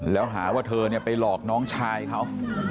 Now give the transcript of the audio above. แล้วหาว่าเธอเนี่ยไปหลอกน้องชายเค้า